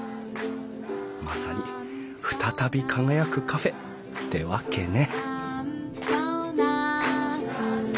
まさに「ふたたび輝くカフェ」ってわけね！